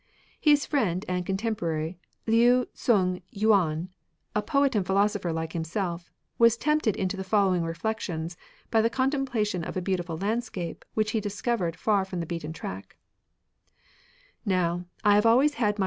His friend and contemporary, Liu Tsung yiian, a poet and philosopher like himself, was tempted into the following reflections by the contempla tion of a beautiful landscape which he discovered far from the beaten track :— "Now, I have always had my God?'